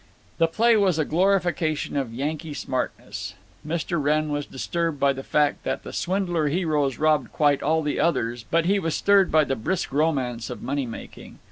The play was a glorification of Yankee smartness. Mr. Wrenn was disturbed by the fact that the swindler heroes robbed quite all the others, but he was stirred by the brisk romance of money making.